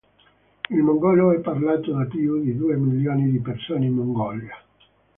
Il mongolo è parlato da più di due milioni di persone in Mongolia.